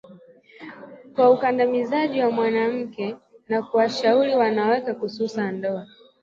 kwa ukandamizi wa mwanamke na kuwashauri wanawake kuisusia ndoa